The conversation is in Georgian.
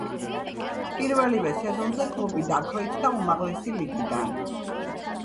პირველივე სეზონზე კლუბი დაქვეითდა უმაღლესი ლიგიდან.